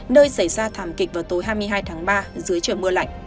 nơi xảy ra thảm kịch vào tối hai mươi hai tháng ba dưới trời mưa lạnh